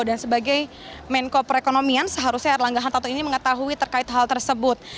dan sebagai menko perekonomian seharusnya erlangga hartarto ini mengetahui terkait hal tersebut